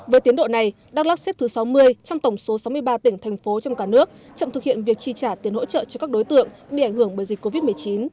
với tiến độ này đắk lắc xếp thứ sáu mươi trong tổng số sáu mươi ba tỉnh thành phố trong cả nước chậm thực hiện việc chi trả tiền hỗ trợ cho các đối tượng bị ảnh hưởng bởi dịch covid một mươi chín